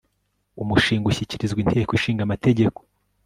umshinga ushyikirizwa inteko ishinga amategeko